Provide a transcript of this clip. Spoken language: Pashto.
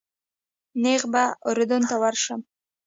نیغ به اردن ته ورشم.